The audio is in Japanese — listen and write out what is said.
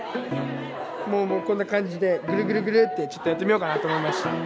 もうこんな感じでグルグルグルってちょっとやってみようかなと思いました。